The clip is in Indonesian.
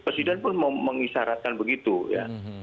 presiden pun mengisyaratkan begitu ya